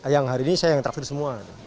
yang hari ini saya yang terakhir semua